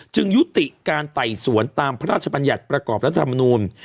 ยุติการไต่สวนตามพระราชบัญญัติประกอบรัฐธรรมนูล